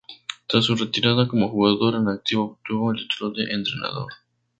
Tras su retirada como jugador en activo obtuvo el título de entrenador.